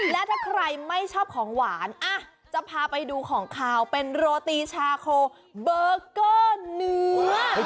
และถ้าใครไม่ชอบของหวานจะพาไปดูของขาวเป็นโรตีชาโคเบอร์เกอร์เนื้อ